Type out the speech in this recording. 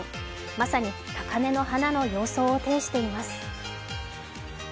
まさに、高根の花の様相を呈しています。